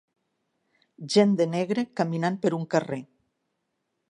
Gent de negre caminant per un carrer.